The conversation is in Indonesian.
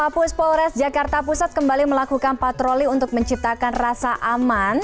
pus polres jakarta pusat kembali melakukan patroli untuk menciptakan rasa aman